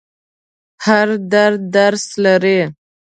هر درد درس لري.